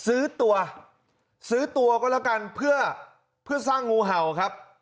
ซื้อตัวซื้อตัวก็แล้วกันเพื่อเพื่อสร้างงูเห่าครับ